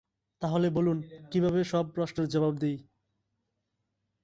তাহলে বলুন, কীভাবে সব প্রশ্নের জবাব দিই।